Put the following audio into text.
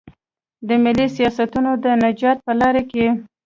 د ملي سیاستونو د نجات په لار کې.